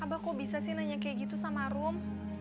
abah kok bisa sih nanya kayak gitu sama rum